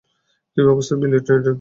কী অবস্থা, Billy Drayton?